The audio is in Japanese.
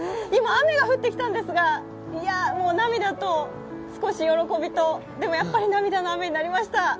今、雨が降ってきたんですが、もう涙と、少し喜びとでも、やっぱり涙の雨になりました